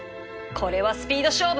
これはスピード勝負。